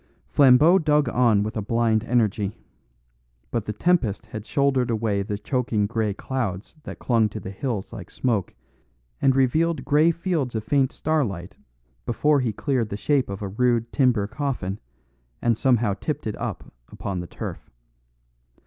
Flambeau dug on with a blind energy. But the tempest had shouldered away the choking grey clouds that clung to the hills like smoke and revealed grey fields of faint starlight before he cleared the shape of a rude timber coffin, and somehow tipped it up upon the turf.